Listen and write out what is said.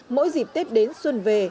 mỗi dịp tết đến xuân về